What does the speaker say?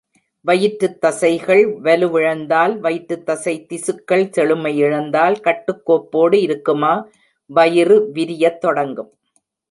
வயிற்றுத் தசைகள் வலுவிழந்தால், வயிற்றுத் தசைத்திசுக்கள் செழுமையிழந்தால், கட்டுக்கோப்போடு இருக்குமா, வயிறு விரியத் தொடங்கும்.